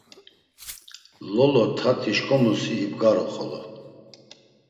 Lolo, tati şǩomusi ibgaru xolo.